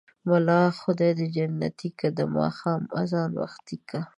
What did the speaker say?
ملا خداى دى جنتې که ـ د ماښام ازان وختې که.